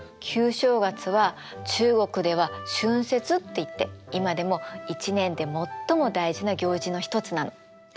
旧正月は中国では春節っていって今でも１年で最も大事な行事の一つなの。